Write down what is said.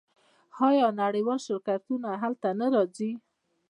آیا نړیوال شرکتونه هلته نه راځي؟